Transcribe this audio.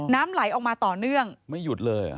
น้ำไหลออกมาต่อเนื่องไม่หยุดเลย